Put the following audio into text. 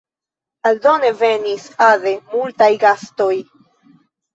Aldone venis ade multaj gastoj.